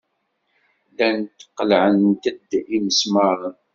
Llant qellɛent-d imesmaṛen.